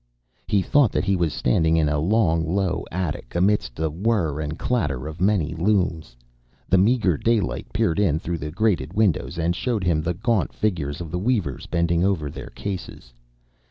He thought that he was standing in a long, low attic, amidst the whir and clatter of many looms. The meagre daylight peered in through the grated windows, and showed him the gaunt figures of the weavers bending over their cases.